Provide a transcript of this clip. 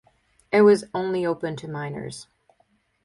It was only open to miners.